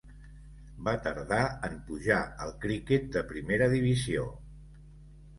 Va tardar en pujar al criquet de primera divisió.